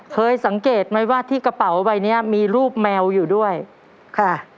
เคยสังเกตไหมว่าที่กระเป๋าใบเนี้ยมีรูปแมวอยู่ด้วยค่ะ